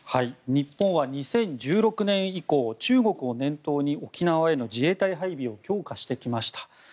日本は２０１６年以降中国を念頭に沖縄への自衛隊配備を強化してきました。